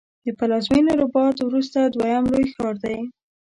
د پلازمېنې رباط وروسته دویم لوی ښار دی.